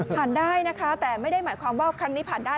ได้นะคะแต่ไม่ได้หมายความว่าครั้งนี้ผ่านได้